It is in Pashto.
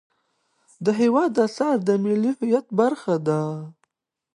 د هېواد اثار د ملي هویت برخه ده.